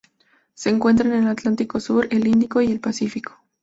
Se encuentra en el Atlántico sur, el Índico y el Pacífico.